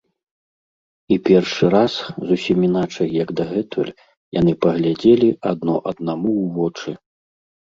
І першы раз, зусім іначай, як дагэтуль, яны паглядзелі адно аднаму ў вочы.